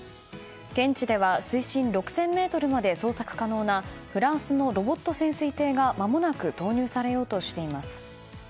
現地では水深６０００ｍまで捜索可能なフランスのロボット潜水艇がまもなく投入されようとしています。